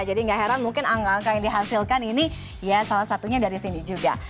jadi gak heran mungkin angka angka yang dihasilkan ini ya salah satunya dari sini juga